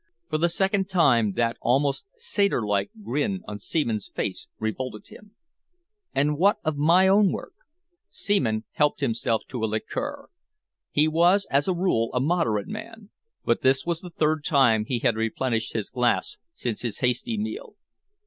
For the second time that almost satyr like grin on Seaman's face revolted him. "And what of my own work?" Seaman helped himself to a liqueur. He was, as a rule, a moderate man, but this was the third time he had replenished his glass since his hasty meal.